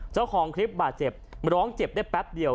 เจ้าของคลิปบาดเจ็บร้องเจ็บได้แป๊บเดียว